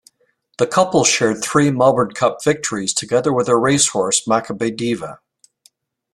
The couple shared three Melbourne Cup victories together with their racehorse, Makybe Diva.